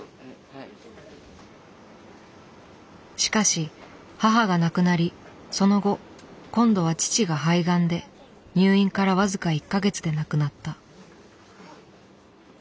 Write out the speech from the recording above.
しかし母が亡くなりその後今度は父が肺がんで入院から僅か１か月で亡くなった。